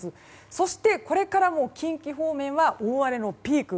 そして、これから近畿方面は大荒れのピーク。